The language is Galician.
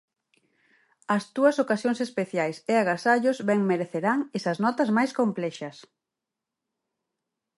As túas ocasións especiais e agasallos ben merecerán esas notas máis complexas.